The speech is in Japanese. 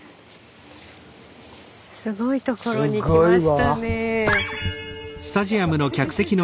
すごいところに来ましたね。